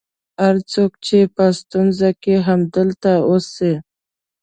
هر څوک چې په ستونزه کې یې همدلته اوسي.